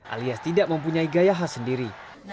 alias tidak mempunyai gaya khas sendiri